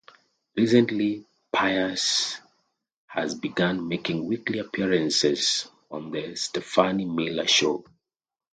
Recently Pierce has begun making weekly appearances on the "Stephanie Miller Show".